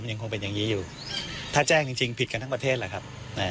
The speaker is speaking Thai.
ยังคงเป็นอย่างนี้อยู่ถ้าแจ้งจริงผิดกันทั้งประเทศแหละครับ